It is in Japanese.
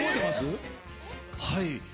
はい。